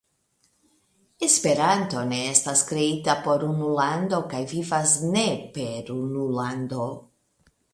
Esperanto ne estas kreita por unu lando kaj vivas ne per unu lando.